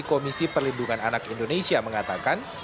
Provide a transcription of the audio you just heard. komisi perlindungan anak indonesia mengatakan